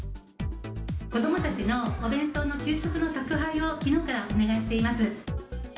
子どもたちのお弁当の給食の宅配をきのうからお願いしています。